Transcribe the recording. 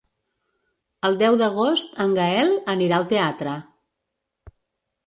El deu d'agost en Gaël anirà al teatre.